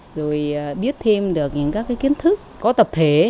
rồi biết thêm được những các kiến thức có tập thể